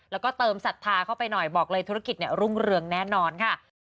แล้วก็เติมศรัทธาเข้าไปหน่อยบอกเลยธุรกิจรุ่งเรืองแน่นอนค่ะ